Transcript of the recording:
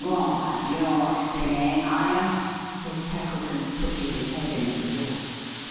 "What! you're singing, are you?" said Tackleton, putting his head in, at the door.